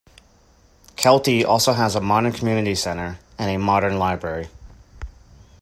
Kelty also has a modern community centre, and a modern library.